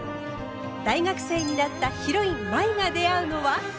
大学生になったヒロイン舞が出会うのは。